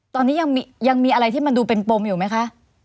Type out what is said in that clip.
ตอนนี้ยังมีอะไรที่มันดูเป็นปมอยู่ไหมคะ